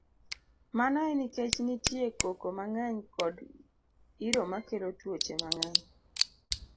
Mano en nikech nitie koko mang'eny kod iro makelo tuoche mang'eny.